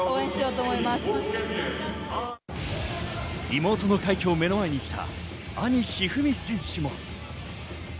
妹の快挙を目の前にした兄・一二三選手も。